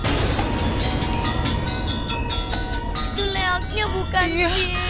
itu lewetnya bukan sih